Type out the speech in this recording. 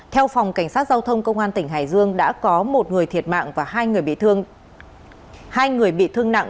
theo phòng cảnh sát giao thông công an tỉnh hải dương đã có một người thiệt mạng và hai người bị thương nặng